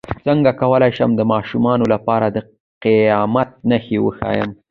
څنګه کولی شم د ماشومانو لپاره د قیامت نښې وښایم